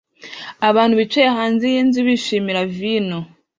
Abantu bicaye hanze yinzu bishimira vino